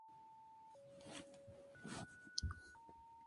Todas las especies actuales, excepto "Apis mellifera" son nativas de esta región.